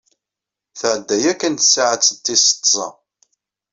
Tɛedda yakan tsaɛet tis tẓa.